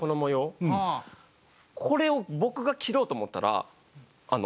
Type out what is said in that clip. これを僕が切ろうと思ったらあの。